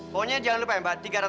pokoknya jangan lupa ya mbak